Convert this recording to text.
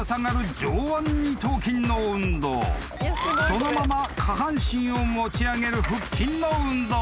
［そのまま下半身を持ち上げる腹筋の運動］